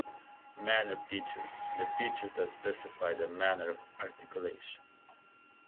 Manner features: The features that specify the manner of articulation.